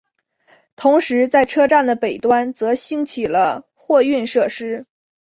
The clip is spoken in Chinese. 同时在车站的北端则兴起了货运设施。